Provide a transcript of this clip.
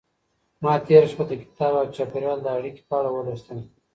ما تېره شپه د کتاب او چاپېريال د اړيکې په اړه ولوستل.